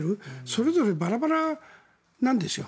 それぞれバラバラなんですよ。